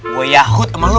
gue yahut sama lu